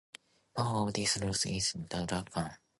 One of these rules is the drug ban.